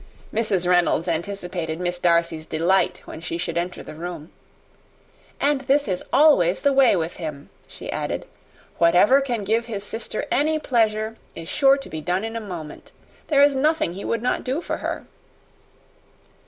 Mrs. Reynolds anticipated Miss Darcy's delight, when she should enter the room. "And this is always the way with him," she added. "Whatever can give his sister any pleasure, is sure to be done in a moment. There is nothing he would not do for her."